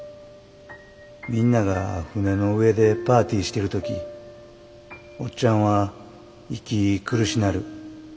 みんなが船の上でパーティーしてる時おっちゃんは息苦しなる。